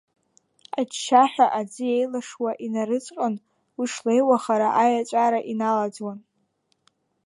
Аччаҳәа аӡы еилашуа инарыҵҟьон, уи шлеиуа хара аиаҵәара иналаӡуан.